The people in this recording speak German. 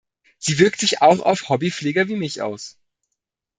Sie wirkt sich auch auf Hobbyflieger wie mich aus.